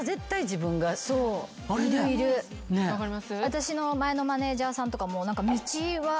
私の前のマネジャーさんとかも。